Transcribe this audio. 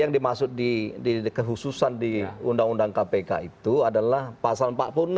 yang dimaksud di kehususan di undang undang kpk itu adalah pasal empat puluh enam